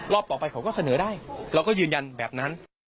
ต่อไปเขาก็เสนอได้เราก็ยืนยันแบบนั้น